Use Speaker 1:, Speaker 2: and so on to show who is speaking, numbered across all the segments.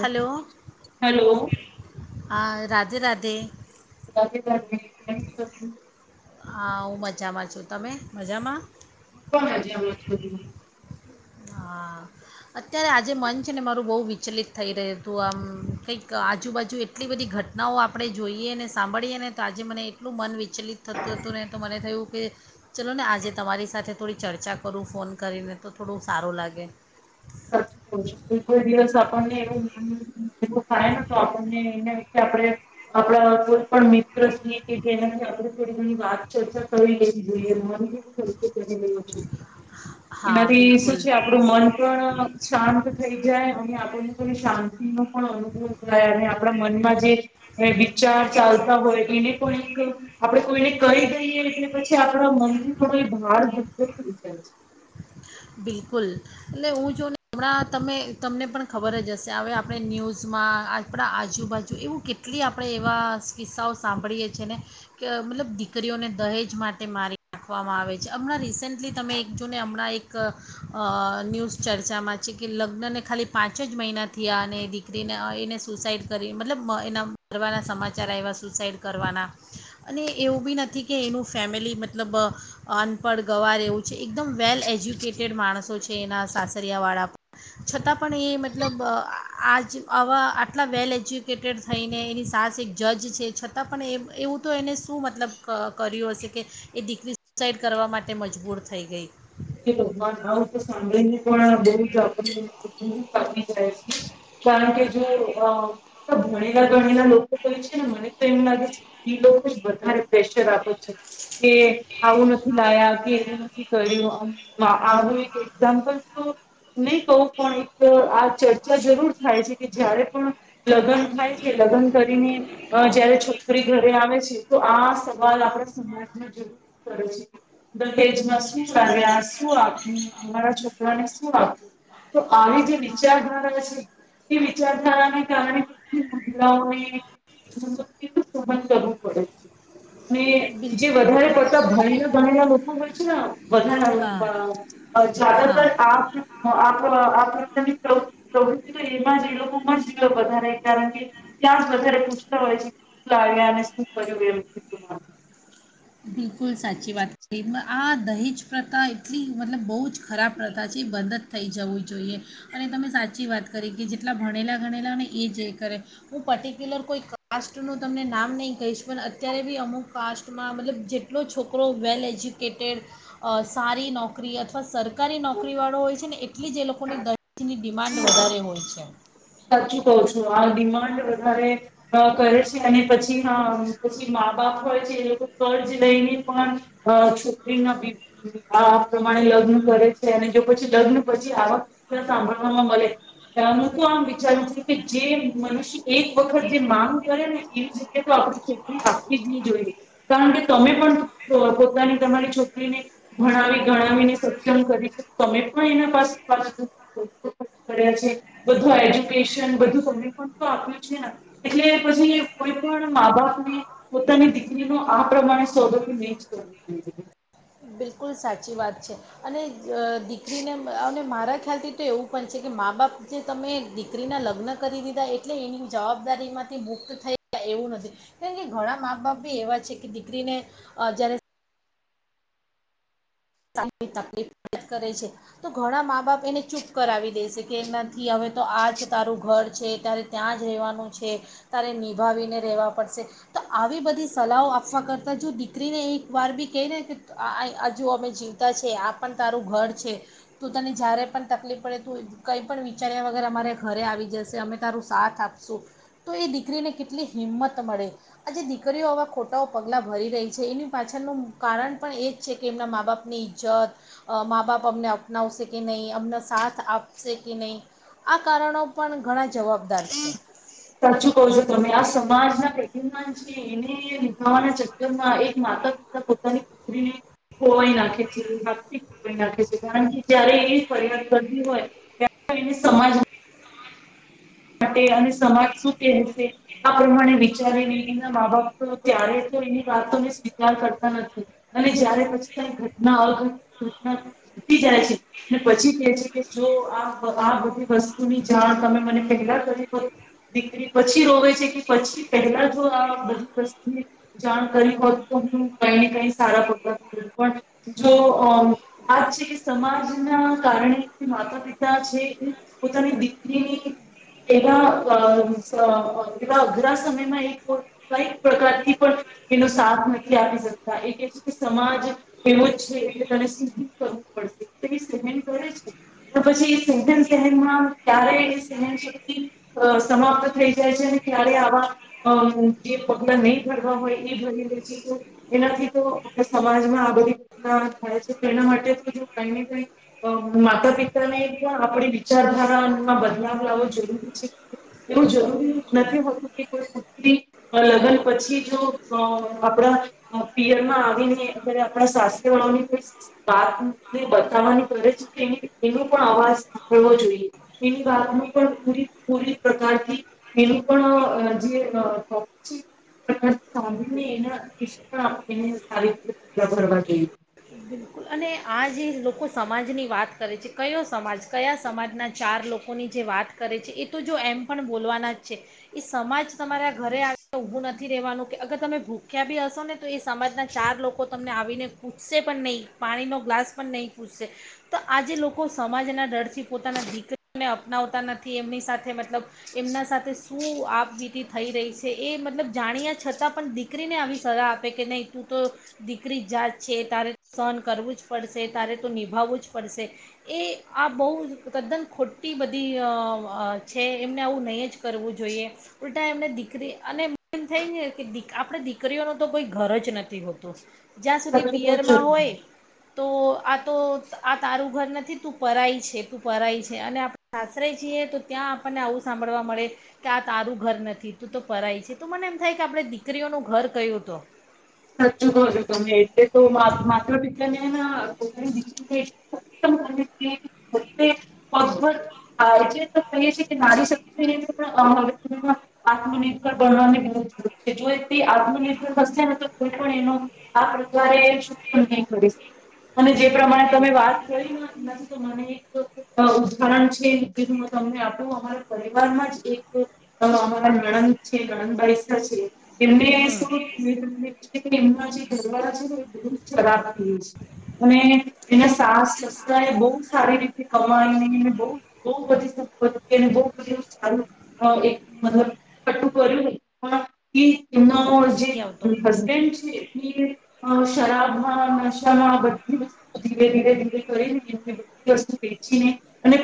Speaker 1: Hello
Speaker 2: hello.
Speaker 1: હા રાધે રાધે.
Speaker 2: રાધે રાધે કેમ છો?
Speaker 1: હા હું મજામાં છું, તમે મજામાં?
Speaker 2: માં મજામાં છું.
Speaker 1: હા, અત્યારે આજે મન છે ને મારું બહુ વિચલિત થઈ રહ્યું હતું આમ કંઈક આજ આજુબાજુ એટલી બધી ઘટનાઓ આપ આપણે જોઈએ ને સાંભળીએ ને તો આજે મને એટલું મન વિચ વિચલિત થતું હતું ને તો મને થયું કે, ચલો ને આજે તમારી સાથે થોડી ચર્ચા કરું ફોન કરીને તો થોડું સારું લાગે.
Speaker 2: કોઈ દિવસ આપણને એવું થાયને તો આપણને એના વિશે આપડા કોઈ પણ મિત્ર સુધી કે એનાથી આપણે થોડી ઘણી વાત ચર્ચા કરી લેવી જોઈએ [unintelligible]
Speaker 1: હા
Speaker 2: એનાથી શું
Speaker 1: બિલકુલ
Speaker 2: છે આપડું મન પણ શાંત થઈ જાય અને આપણને શાંતિ નો પણ અનુભવ થાય અને આપણા મનમાં જે, વિચાર ચાલતા હોય પણ એક આપણે કોઈને કહી દઈએ એટલે પછી આપણા મનથી પણ એ ભાર ગુપ્ધ થઈ જાય છે.
Speaker 1: બિલકુલ એટલે હું જો ને હમણાં તમે તમને પણ ખબર જ હશે હવે આપણે ન્યૂઝમાં આપણા આજુબાજુ એવું કેટલી આપણે એવા કિસ્સાઓ સાંભળીએ છીએ ને કે મતલબ દીકરીઓને દહેજ માટે મારી નાખવામાં આવે છે હમણાં રિસેન્ટલી તમે એક જો ને હમણાં એક ક અહ ન્યૂઝ ચર્ચામાં છે કે લગ્નને ખાલી પાંચ જ મહિનાથી આ અને દીકરીને અઈ ને સુસાઈડ કરી મતલબ એના મરવાના સમાચાર આવ્યા સુસાઈડ કરવાના. અને એવું બી નથી કે એનું ફેમિલી મતલબ અનપઢ ગવાર છે. એકદમ વેલ એજુ કેટેડ માણસો છે એના સાસરિયાવાળા. છતાં પણ એ મતલબ આહ આજ આવા આટલા વેલ એજ્યુકેટેડ થઈને એની સાસ એક જજ છે છતાં પણ એવ-એવું તો એને શું મતલબ કર્યું હશે કે એ દીકરી સુસાઈડ કરવા માટે મજબૂર થઈ ગઈ.
Speaker 2: હે ભગવાન આવું તો સાંભળી ને પણ બહુજ આપણ ને [inaudible] રેહ છે. કારણ કે જો અહ કેટલા ભણેલા ગણેલા લોકો બોલો છે ને મને તો એમ લાગે છે એ લોકો જ વધારે પ્રેશર આપે છે. કે આવું નથી લાયા કે એવું નથી કર્યું આમ માં આવું એક એક્ઝામ્પલ તો નહી કહું પણ એક આ ચર્ચા જરૂર થાય છે કે જયારે પણ લગ્ન થાય છે લગ્ન કરીને અહ જયારે છોકરી ઘરે આવે છે તો આ સવાલ આપણા સમાજમાં જરૂર કરે છે. દહેજમાં શું લાવ્યા શું આપ્યું અમારા છોકરાને શું આપ્યું. તો આવી જે વિચારધારા છે એ વિચારધારાને કારણે કેટલી મહિલાઓને કેટલું સહન કરવું પડે છે અને
Speaker 1: બિલ
Speaker 2: જે વધારે પડતા ભણીલા ભણેલા લોકો હોય છે ના બધા નંગ
Speaker 1: હા
Speaker 2: બાઓ અહ
Speaker 1: હા
Speaker 2: જ્યાદતર આપ હો આપ પ્રકારની પ્રવૃતિ એમાં જ એ લોકોમાં જ વધારે કારણ કે ત્યાં જ વધારે પૂછતા હોય છે શું લાવ્યા અને શું કર્યું એવું [inaudible]
Speaker 1: બિલકુલ સાચી વાત કહી. આ દહેજ પ્રથા એટલી મતલબ બહુજ ખરાબ પ્રથા છે. બધ થઈ જવું જોઈએ. અને તમે સાચી વાત કરી કે જેટલા ભણેલા ભણેલા ને એ જે એ કરે હું પર્ટિક્યુલર કોઈ કાસ્ટનું તમને નામ નહીં કહીશ પણ અત્યારે બી અમુક કાસ્ટમાં મતલબ જે ટલો છોકરો વેલ એજ્યુક કેટેડ અહ સારી નોકરી અથવા સર સરકારી નોકરી વાળો હોય છે ને એક એટલી જે લોકોની ડિમાન્ડ વધારે હોય છે.
Speaker 2: સાચું કહો છું આ ડિમાન્ડ વધારે અ કરે છે અને પછી પછી મા બાપ હોય છે એ લોકો કર્જ લઈને પણ, છોકરીના આ પ્રમાણે લગ્ન કરે છે અને જો પછી લગ્ન પછી આવાક સાંભળવામાં મળે, તો આમ જે મનુષ્ય એક વખત જે માંગ કરે ને એવી જગ તો આપણી છોકરી આપવી જ નહી જોઈએ, કારણ કે તમે પણ પોતાની તમારી છોકરીને, ભણાવી ગણાવીને સક્ષમ કરી છે, તમે પણ એના પાસે પાછ કર છે. ત પણ આપ્યું છે ને, એટલે પછી કોઈ પણ મા બાપને પોતાની દીકરી ન આ પ્રમાણે સોગતું નહી જ કરવું જોઈ.
Speaker 1: બિલકુલ સાચી વાત છે, અને દીકરીને મારા ખ્યાલથી તો એવું પણ છે કે મા બાપ જે તમે દીકરીના લગ્ન કરી દીધા એટલે એની જવાબદારીમાંથી મુક્ત થઈ ગયા એવું નથી, કારણ કે ઘણા મા બાપ બી એવા છે કે દીકરીને, જયારે તકલીફ કરે છે, તો ઘણા મા બાપ એને ચૂપ કરાવી દેશે. કે નથી હવે તો આ જ તારું ઘર છે તારે ત્યાં જ રહેવાનું છે, તારે નિભાવીને રહેવા પડશે, તો આવી બધી સલાહઓ આપવા કરતાં જો દીકરીને એક વાર બી કહી ને કે હજુ અમે જીવતા છે આ પણ તારું ઘર છે, તું તને જ્યારે પણ તકલીફ પડે તું કંઈ પણ વિચાર્યા વગર અમારે ઘરે આવી જશે અમે તારું સાથ આપશું, તો એ દીકરીને કેટલી હિંમત મળે, આ જેે દીકરીઓ આવા ખોટાઓ પગલાં ભરી રહી છે એની પાછળનું કારણ પણ એ જ છે કે એમના મા બાપ ની ઈજ્જત, મા બાપ અમને અપનાવશે કે નહીં અમને સાથ આપશે કે નહીં, આ કારણો પણ ઘણા જવાબદાર છે.
Speaker 2: સાચું કહો છો તમે આ સમાજના પન છે એને નિભાવાના ચક્કર માં એક માતા પિતા પોતાની પુત્રીને ખોવાઈ નાખે છે ભક્ ખોવાઈ નાખે છે કારણ કે જયારે એ ફરિયાદ કરતી હોય ત્યારે એ સમાજ [unintelligible] સમાજ શશે આ પ્રમાણે વિચારીનેના મા બાપ ત્યારે તો એની વાતોને સ્વીકાર કરતા નથી અને જય્યારે પછી કઈ ઘટના અઘટના ઘટી જાય છે ને પછી કે છે કે જો આ આ બધી વસ્તુની જાણ તમે મને પેલા દીકરી હોત, પછી રોવે છે કે પછી પહેલા જો આ બધી વસ્તુ જાણ કરી હોત તો હું કઈ ને કઈ સારા પગતા પણ, જો આજ છે કે સમાજના કારણે માતા પિતા છે એ, પોતાની દીકરીની એવા એવા અઘરા સમયમાં એ કઈ પ્રકારથી પણ એનો સાથ નથી આપી શકતા એ કે છે કે, સમાજ એવો જ છે એટલે તને સુદ કરવું પડશે તે સહેન કરે છે તો પછી સન સનમાં ક્યારે એ સન સમાપ્ત થઈ જાય છે અને ક્યારે આવા જે પગલા નહી ભરવા હોય એ ભરી લે છે, તો એનાથી તો સમાજમાં આ બધી થાય છે તો એના માટે તો જો કઈ ને કઈ માતા પિતાને આપણી વિચારધારામાં બદલાવ લાવવો જરૂર એવું જરૂરી
Speaker 1: બિલકુલ
Speaker 2: નથી હોતું કે લગ્ન પછી જો આપણા પિયરમાં આવીને અ આપણા સાસરે વાળાની કોઈ વાતને બતાવવાની કરે છે, એ એનો પણ અવાજ સાંભળવો જોઈએ એની વાત ન પણ પૂરી પ પ્રકારથી એનું પણ જે ટોપીક છે. સાંભળીને એ પણ આપણને સારી રીતે સાંભળવા
Speaker 1: બિલકુલ અને આ જે લોકો સમાજની વાત કરે છે કયો સમાજ કયા સમાજના ચાર લોકોની જે વાત કરે છે, એ તો જો એમ પણ બોલવાના જ છે એ સમાજ તમારા ઘરે આવીને ઊભું નથી રહેવાનું કે અગર તમે ભૂખ્યા બી હશો ને તો એ સમાજના ચાર લોકો તમને આવીને પૂછ પૂશે પણ નહીં પાણીનો ગ્લાસ પણ નહીં પૂછશે તો આજે લોકો સમાજના ડરથી. પોતાના દીકરીને અપ અપનાવતા નથી એમની સાથે મતલબ એમના સાથે શું આપ વીતી થઈ રહી છે, એ મતલબ જાણ્યા છતાં પણ દીકરીને આવી સલાહ આપે કે નહીં તું તો દીકરી જાત છે તારે સહન કરવું જ પડશે, તારે તો નિભાવવું જ પડશે, એ આ બહુ તદ્દન ખોટી બધી અ છે એમને આવું નહીં જ કરવું જોઈએ ઉલટા એમને દીકરી અને એમ થાય ને કે આપણે દીકરીઓનું તો કોઈ ઘર જ નથી હોતું. જ્યાં સુધી
Speaker 2: સાચું કહો છો
Speaker 1: પિયરમાં
Speaker 2: તમે.
Speaker 1: હોય. તો આ તો આ તારું ઘર નથી તું પરાય છે તું પરાય છે, અને આપ સાસરે છીએ તો ત્યાં આપણને આવું સાંભળવા મળે કે આ તારું ઘર નથી તું તો પરાય છે, તો મને એમ થાય કે આપણે દીકરીઓનું ઘર કયું હતો.
Speaker 2: સાચું કહો છો તમે એટલે તો માતા પિતાને પોતાની દીકરી કહી છે કે [inaudible] નારી શક્તિ પણવે આત્મનિર્ભર ભણવાની બહુ જરૂર છે જો તે આત્મનિર્ભર થશે ને તો કોઈ પણ એનો આ પ્રકારે શોષણ નહી કરી શ અને જે પ્રમાણે
Speaker 1: બિલકુલ
Speaker 2: તમે વાત કરીને નથી તો મને ઉદાહરણ છે જેનું હું તમને આપું અમારા પરિવારમાં જ એક, અમારા નણંદ છે ગણંદબસા છે. એ
Speaker 1: હમ
Speaker 2: વયસો [unintelligible] એમના જે દરવાળા છે બ ખરાબ થ છે, અને એના સાસ સસ એ બહુ સારી રીતે કવાઈને બ બ બધી સંપત્ બધું સારું મતલબ કટું કર્યું પણ [unintelligible] જે
Speaker 1: નથી આવતો.
Speaker 2: હસબેન્ડ શરાબમાં નશામાં બધી વસ્તુ ધીરે ધીરે ધીરે કરીને એને બધી વસ્તુ વેચીને અને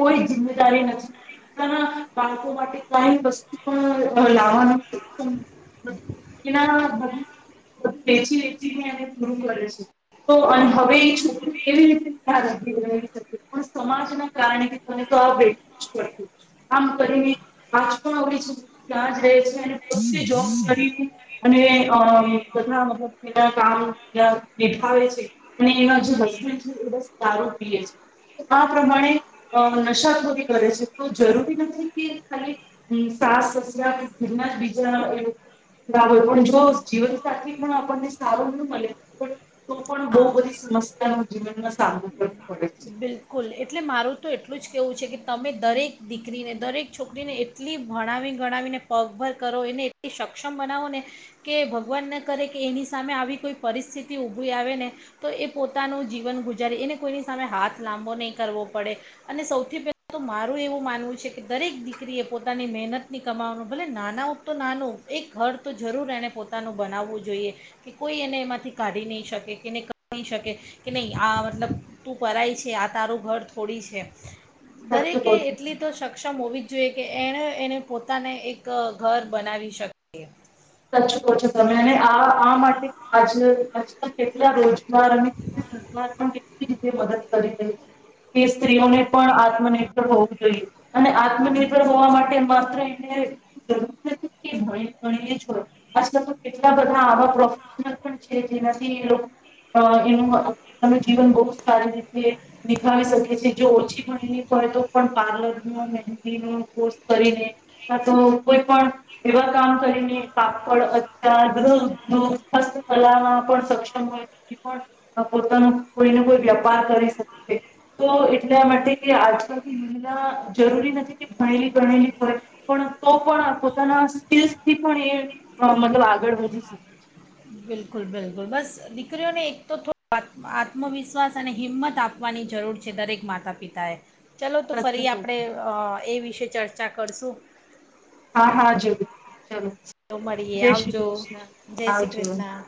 Speaker 2: કોઈ જિમ્દારી નથી પોતાના બાળકો માટે કઈ વસ્તુ પણ લાવવાનુંમ [unintelligible] વેચી વેચીને એને પૂરું કરે છે તો અને હવે એ છોકરી કેવી રીતે ર શકે પણ સમાજના કારણેને તો આ બેઠવું જ પડશે આમ કરીને આજ પણ અરી છોકરી ત્યાં જ રહે છે અને પોતે જોબ કરીને [unintelligible] અને ઘ મત એના કામ નિભાવે છે. અને એના જે હસમે છે એ બસ દારૂ પીએ છે. તો આ પ્રમાણે નશાખોરી કરે છે તો જરૂરી નથી કે ખાલી સાસ સસરા કે, ઘરના જ બીજા એ લોકો [unintelligible] બરાબર પણ જો જીવનસાથી પણ આપણને સારું ન મળે, પણ તો પણ બો
Speaker 1: હા
Speaker 2: બધી સમસ્યાનો જીવનમાં સામનો કરે.
Speaker 1: બિલકુલ એટલે મારું તો એટલું જ કેહેવું છે કે તમે દરેક દીકરીને દરેક છોકરીને એટલી ભણાવી ગણાવીને પગભર કરો એને એટલી સક્ષમ બનાવોને, કે ભગવાન ન કરે કે એની સામે આવી કોઈ પરિસ્થિતિ ઊભી આવેને, તો એ પોતાનું જીવન ગુજારે એને કોઈની સામે હાથ લાંબો નહીં કરવો પડે, અને સૌથી પહેલા તો મારું એવું માનવું છે કે દરેક દીકરીએ પોતાની મહેનતની કમાવવાનું ભલે નાના ઉપ તો નાનું એક ઘર તો જરૂર એણે પોતાનું બનાવવું જોઈએ, કે કોઈ એને એમાંથી કાઢી નહીં શકે કે ન કહી શકે, કે નહીં, આ મતલબ તું કરાય છે. આ તારું ઘર થોડી છે.
Speaker 2: સાચું
Speaker 1: દરેકે
Speaker 2: કહો છો તમે.
Speaker 1: એટલી તો સક્ષમ હોવી જ જોઈએ કે એને એને પોતાને એક ઘર બનાવી શકીએ.
Speaker 2: ચકો છ. તમે અને આ આ માટે આજ આજ કેટલા રોજગાર અને સરકાર પણ કેટલી રીતે મદદ કરી રહી છે, કે સ્ત્રીઓને પણ આત્મનિર્ભર હોવું જોઈએ, અને આત્મનિર્ભર હોવા માટે માત્ર એને જરૂરી નથી, કેણી ગણી આજકાલ તો કેટલા બધા આવા પ્રોફેશનલ પણ છે જેનાથી, એ લોકો એનું જીવન બહ સારી રીતે નિભાવી શકે છે. જો ઓછી મળ હોય તો પણ પાર્લર ન મહેંદી ન કોર્સ કરીને તો કોઈ પણ એવા કામ કરીને પા અચારધ કલામાં પણ સક્ષમ હોય, પણ પોતાનો કોઈને કોઈ વેપાર કરી શકે, તો એટલા માટે આજકાલથી મહિલા જરૂરી નથી કે ભણેલી ભણેલી હોય પણ, તો પણ પોતાના સ્કીસથી પણ એ હ, મતલબ આગળ વધી શકે.
Speaker 1: બિલકુલ બિલકુલ, બસ દીકરીઓને એક તો થોડ આત્મવિશ્વાસ અને હિંમત આપવાની જરૂર છે દરેક માતા પિતાએ. ચલો તો
Speaker 2: સાચું
Speaker 1: ફરી
Speaker 2: કવ
Speaker 1: આપણે
Speaker 2: છું.
Speaker 1: એ વિશે કે ચર્ચા કરશું.
Speaker 2: હાહા જરૂર. ચલો
Speaker 1: મળીએ
Speaker 2: જય શ્રી
Speaker 1: આવજો,
Speaker 2: કૃષ્ણ
Speaker 1: જય શ્રી
Speaker 2: આવજો.
Speaker 1: કૃષ્ના.